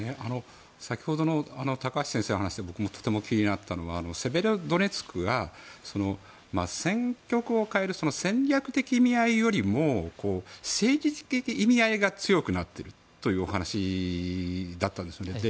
先ほどの高橋先生のお話で気になったのがセベロドネツクが戦局を変える戦略的意味合いよりも政治的意味合いが強くなっているというお話だったんですね。